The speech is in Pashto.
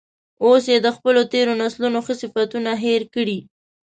اوس یې د خپلو تیرو نسلونو ښه صفتونه هیر کړي.